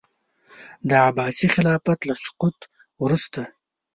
د عباسي خلافت له سقوط وروسته.